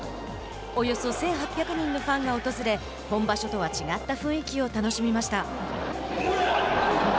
およそ１８００人のファンが訪れ本場所とは違った雰囲気を楽しみました。